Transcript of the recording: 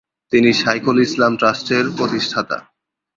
তিনি শাইখুল ইসলাম ট্রাস্টের প্রতিষ্ঠাতা।